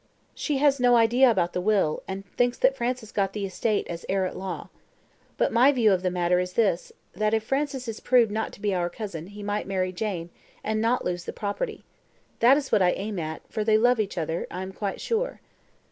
"She has no idea about the will, and thinks that Francis got the estate as heir at law. But my view of the matter is this, that if Francis is proved not to be our cousin, he might marry Jane, and not lose the property. That is what I aim at, for they love each other, I am quite sure."